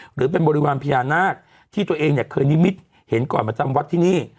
หรือเป็นบริวารพญานาคที่ตัวเองเนี่ยเคยนิมิตเห็นก่อนมาจำวัดที่นี่